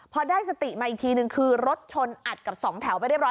พอได้สติมาอีกทีนึงคือรถชนอัดกับสองแถวไปเรียบร